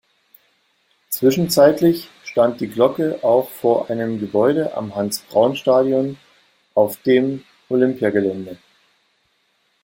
Zwischenzeitlich stand die Glocke auch vor einem Gebäude am Hanns-Braun-Stadion auf dem Olympiagelände.